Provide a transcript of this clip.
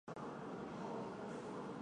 属定州。